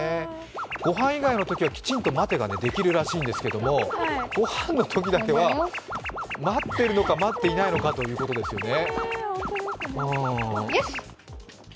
ごはん以外のときは、きちんと「待て」ができるらしいんですけど、ごはんのときだけは、待ってるのか待っていないのかということですよね。